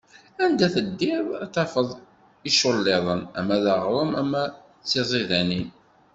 Anda teddiḍ, ad tafeḍ iculliḍen, ama d aɣrum ama d tiẓidanin.